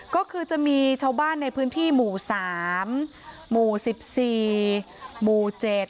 ก็คือจะมีชาวบ้านในพื้นที่หมู่๓หมู่๑๔หมู่๗